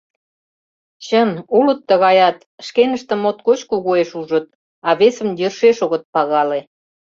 Чын, улыт тыгаят, шкеныштым моткоч кугуэш ужыт, а весым йӧршеш огыт пагале.